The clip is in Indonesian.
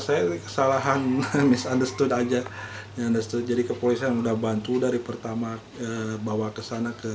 saya kesalahan misunderstood aja yang ada setuju kepolisian udah bantu dari pertama bawa ke sana